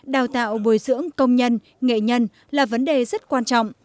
đào tạo bồi dưỡng công nhân nghệ nhân là vấn đề rất quan trọng